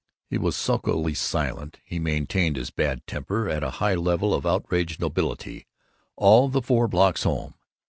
He was sulkily silent; he maintained his bad temper at a high level of outraged nobility all the four blocks home.